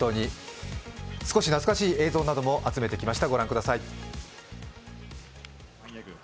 少し懐かしい映像なども集めてきました。